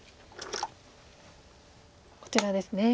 こちらですね。